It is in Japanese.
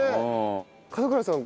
門倉さん